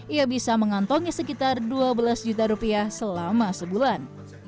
ia bisa mengantongi sekitar dua belas juta rupiah selama sebulan